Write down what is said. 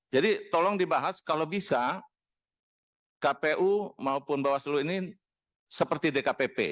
jadi tolong dibahas kalau bisa kpu maupun bawasulu ini seperti dkpp